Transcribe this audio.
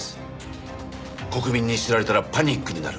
国民に知られたらパニックになる。